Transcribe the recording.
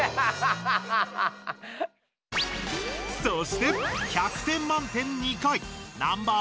そして１００点満点２回！